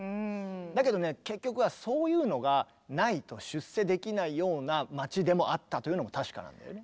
だけどね結局はそういうのがないと出世できないような街でもあったというのも確かなんだよね。